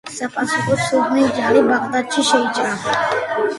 საპასუხოდ სულთნის ჯარი ბაღდადში შეიჭრა.